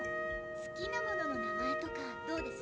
好きなものの名前とかどうです？